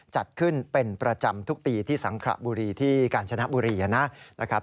จัดขึ้นเป็นประจำทุกปีที่สังขระบุรีที่กาญจนบุรีนะครับ